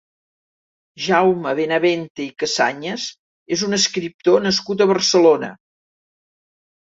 Jaume Benavente i Cassanyes és un escriptor nascut a Barcelona.